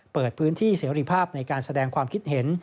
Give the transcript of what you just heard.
เปิดพื้นที่เสรีภาพในการแสดงความคิดเห็น